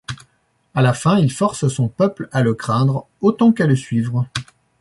À la fin, il force son peuple à le craindre autant qu'à le suivre.